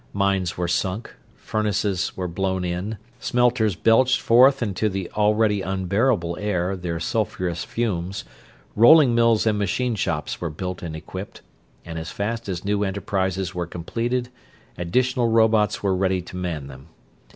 Mines were sunk, furnaces were blown in, smelters belched forth into the already unbearable air their sulphurous fumes, rolling mills and machine shops were built and equipped: and as fast as new enterprises were completed additional robots were ready to man them.